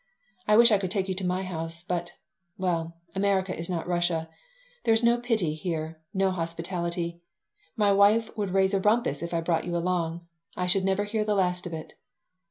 I wish I could take you to my house, but well, America is not Russia. There is no pity here, no hospitality. My wife would raise a rumpus if I brought you along. I should never hear the last of it."